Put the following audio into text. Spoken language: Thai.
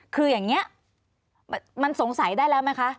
คืออย่างนี้มันสงสัยได้แล้วไหมคะ